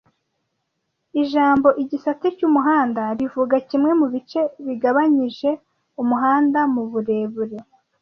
Ijambo igisate cy'umuhanda rivuga kimwe mu bice bigabanyije umuhanda mu burebure